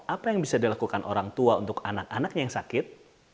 apa yang bisa dilakukan orang tua untuk anak anaknya yang sakit